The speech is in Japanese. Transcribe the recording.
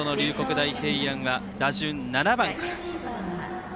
大平安は打順、７番から。